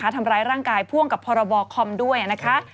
ทำร้ายร่างกายพ่วงกับพรบคอมด้วยนะคะ